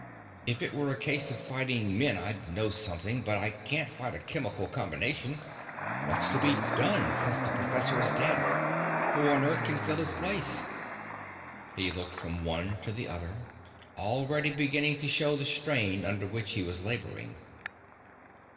If it were a case of fighting men I'd know something, but I can't fight a chemical combination. What's to be done, since the professor is dead? Who on earth can fill his place?" He looked from one to the other, already beginning to show the strain under which he was laboring.